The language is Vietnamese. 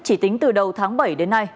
chỉ tính từ đầu tháng bảy đến nay